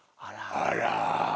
あら。